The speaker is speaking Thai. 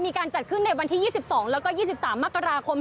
มีการจัดขึ้นในวันที่๒๒แล้วก็๒๓มกราคม